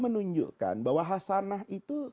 menunjukkan bahwa hasanah itu